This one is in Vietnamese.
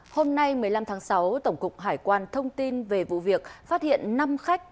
hôm nay một mươi năm tháng sáu tổng cục hải quan thông tin về vụ việc phát hiện năm khách